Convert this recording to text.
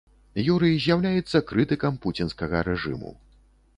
Юрый з'яўляецца крытыкам пуцінскага рэжыму.